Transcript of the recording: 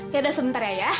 yaudah sebentar ya ayah